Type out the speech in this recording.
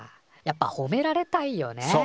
やっぱほめられたいよね。